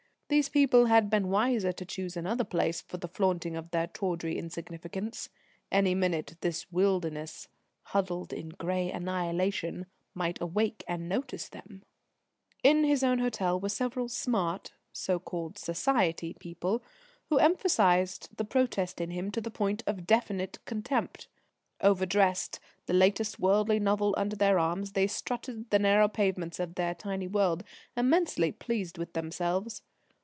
These people had been wiser to choose another place for the flaunting of their tawdry insignificance. Any minute this Wilderness, "huddled in grey annihilation," might awake and notice them ...! In his own hotel were several "smart," so called "Society" people who emphasised the protest in him to the point of definite contempt. Overdressed, the latest worldly novel under their arms, they strutted the narrow pavements of their tiny world, immensely pleased with themselves.